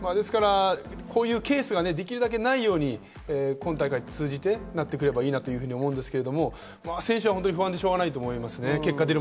こういうケースがなるべくないように今回の大会を通じてなってきたらいいなと思いますが、選手は不安で仕方ないと思います。